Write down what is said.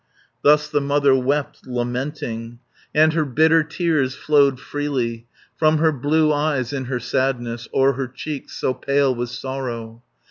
Thus the mother wept, lamenting, And her bitter tears flowed freely From her blue eyes in her sadness, O'er her cheeks, so pale with sorrow.